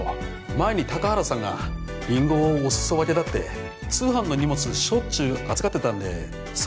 前に高原さんがリンゴをお裾分けだって通販の荷物しょっちゅう預かってたんでそのお礼に